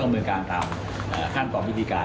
ต้องเมืองการตามขั้นตอนวิธีการ